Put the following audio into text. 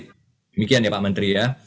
demikian ya pak menteri ya